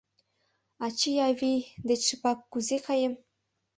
Ачий-авий деч шыпак кузе каем?